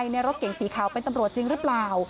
แล้วผมคิดว่า